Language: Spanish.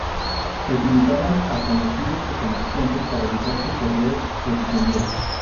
Utilizaban a conocidos o comerciantes para enviar su correo o sus envíos.